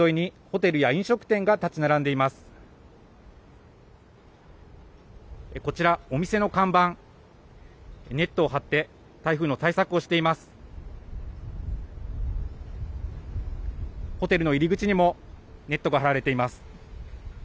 ホテルの入り口にもネットが張られています。